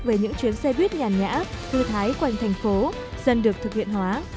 về những chuyến xe buýt nhàn nhã thư thái quanh thành phố dần được thực hiện hóa